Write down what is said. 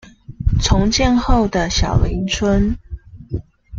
重建後的小林村